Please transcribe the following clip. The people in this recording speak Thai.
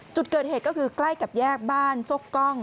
จุดเกิดเหตุก็คือใกล้กับแยกบ้านซกกล้อง